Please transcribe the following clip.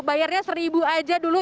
bayarnya seribu aja dulu